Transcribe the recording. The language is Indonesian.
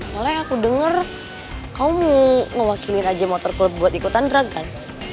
malah ya aku denger kamu mau mewakili raja motor club buat ikutan drag kan